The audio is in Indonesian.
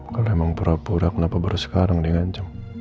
kalau memang pura pura kenapa baru sekarang dia ngancam